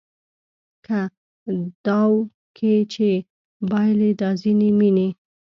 لکه داو کې چې بایلي دا ځینې مینې